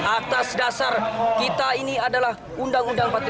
atas dasar kita ini adalah undang undang empat puluh lima